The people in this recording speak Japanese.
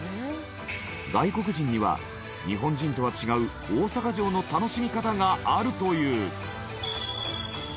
外国人には日本人とは違う大阪城の楽しみ方があるという。